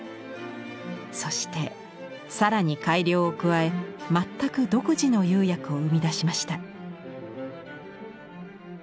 そして更に改良を加え全く独自の釉薬を生み出しました。